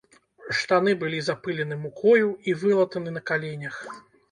Штаны былі запылены мукою і вылатаны на каленях.